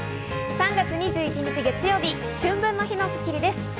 ３月２１日、月曜日、春分の日の『スッキリ』です。